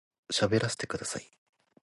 喋らせてください